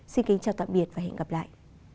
xin kính chào tạm biệt và hẹn gặp lại